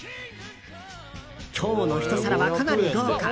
今日のひと皿は、かなり豪華。